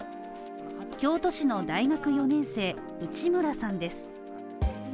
京都市の大学４年生・内村さんです。